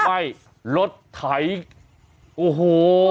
ไหม้รถไถโอ้โห